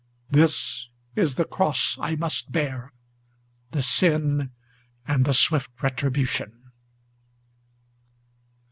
This is the cross I must bear; the sin and the swift retribution."